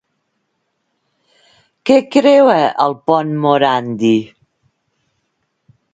Què creua el pont Morandi?